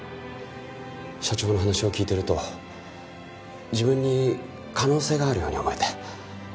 社長の話を聞いてると自分に可能性があるように思えて。